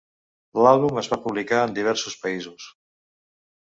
L'àlbum es va publicar en diversos països.